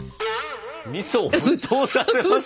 みそを沸騰させます？